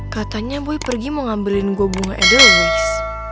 katanya bui pergi mau ngambilin gue bunga edelweiss